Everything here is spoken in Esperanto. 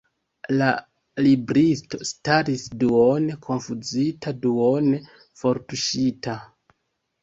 La libristo staris duone konfuzita, duone kortuŝita.